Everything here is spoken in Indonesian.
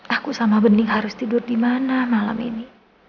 aku sama bening harus tidur dimana malam ini